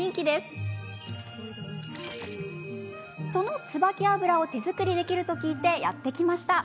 自分だけの椿油を手作りできると聞いて、やって来ました。